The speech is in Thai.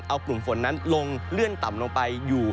เอากลุ่มฝนนั้นลงเลื่อนต่ำลงไปอยู่